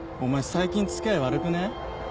最近付き合い悪くねえ？